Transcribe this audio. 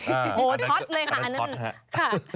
อันนั้นช็อตเลยค่ะ